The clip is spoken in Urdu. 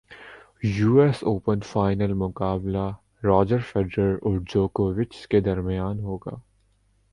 یو ایس اوپنفائنل مقابلہ راجر فیڈرر اور جوکووچ کے درمیان ہوگا